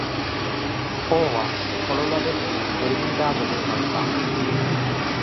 王はコロラド州トリニダードで生まれた。